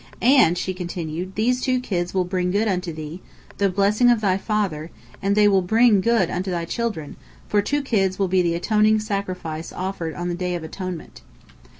"And," she continued, "these two kids will bring good unto thee, the blessing of thy father, and they will bring good unto thy children, for two kids will be the atoning sacrifice offered on the Day of Atonement."